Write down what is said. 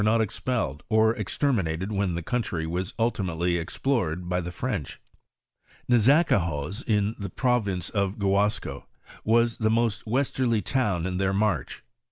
XV expelled or exterminated when the country was nltimatelj explored by the French. !N^azacahoz, in the province of Gu asco, was the most westerly town in their march.